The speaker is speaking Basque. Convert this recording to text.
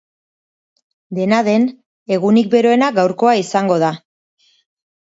Dena den, egunik beroena gaurkoa izango da.